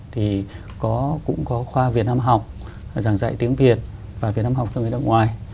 thì cũng có khoa việt nam học giảng dạy tiếng việt và việt nam học cho người nước ngoài